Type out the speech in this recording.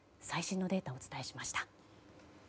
最新のデータをお伝えしました。